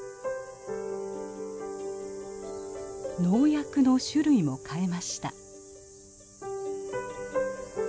農薬の種類も変えました。